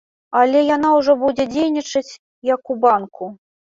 Але яна ўжо будзе дзейнічаць, як у банку.